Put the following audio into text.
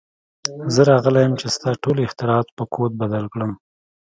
زه راغلی یم چې ستا ټول اختراعات په کوډ بدل کړم